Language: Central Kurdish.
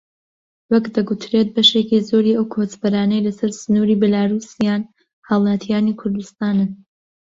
وەک دەگوترێت بەشێکی زۆری ئەو کۆچبەرانەی لەسەر سنووری بیلاڕووسیان هاوڵاتیانی کوردستانن